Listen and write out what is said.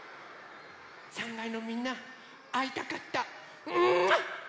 ３かいのみんなあいたかった。